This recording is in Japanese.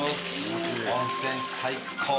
温泉最高。